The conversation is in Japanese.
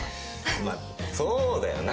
まあそうだよな。